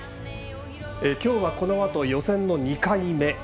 きょうはこのあと予選の２回目。